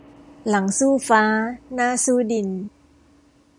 หลังสู้ฟ้า หน้าสู้ดิน